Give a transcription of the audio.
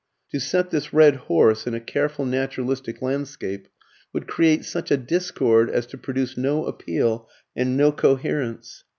To set this red horse in a careful naturalistic landscape would create such a discord as to produce no appeal and no coherence.